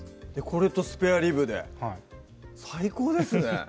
これとスペアリブではい最高ですね